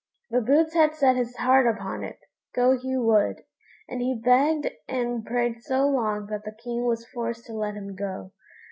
But Boots had set his heart upon it; go he would; and he begged and prayed so long that the King was forced to let him go.